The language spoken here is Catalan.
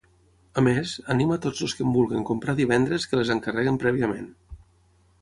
A més, anima tots els qui en vulguin comprar divendres que les encarreguin prèviament.